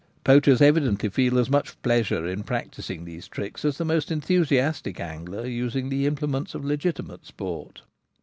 Poachers evidently feel as much pleasure in practising these tricks as the most enthusiastic angler using the implements of legiti mate sport.